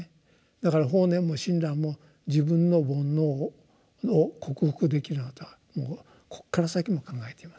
だから法然も親鸞も自分の煩悩を克服できるなんてことはこっから先も考えていません。